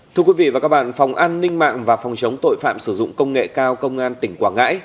thưa quý vị và các bạn phòng an ninh mạng và phòng chống tội phạm sử dụng công nghệ cao công an tỉnh quảng ngãi